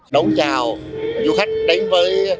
đấu chào du khách đến với